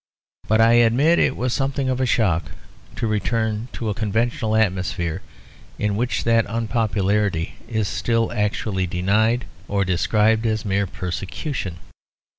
But I admit it was something of a shock to return to a conventional atmosphere, in which that unpopularity is still actually denied or described as mere persecution.